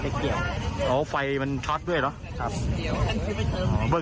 ใช่เพราะไฟมันคตดตอนแรก